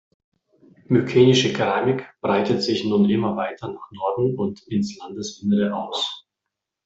Mykenische Keramik breitet sich nun immer weiter nach Norden und ins Landesinnere aus.